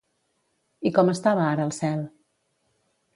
I com estava ara el cel?